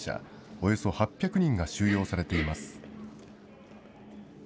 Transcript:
およそ８００人が収容されています。